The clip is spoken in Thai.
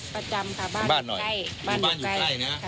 ประจำครับบ้านอยู่ใกล้